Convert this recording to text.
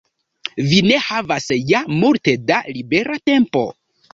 Vi ne havas ja multe da libera tempo.